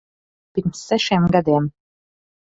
Pirms sešiem gadiem.